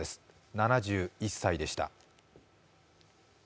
７１歳でした。